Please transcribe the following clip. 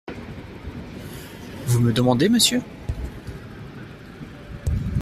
Vous me demandez, monsieur ?